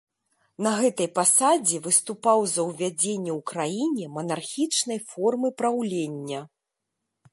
На гэтай пасадзе выступаў за ўвядзенне ў краіне манархічнай формы праўлення.